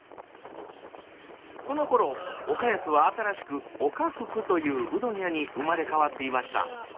このころ岡安は新しく岡福といううどん屋に生まれ変わっていました。